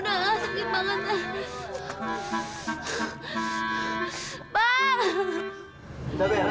udah ben udah kan ela